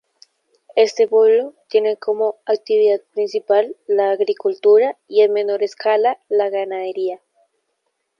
Este pueblo tiene como actividad principal la agricultura y en menor escala la ganadería.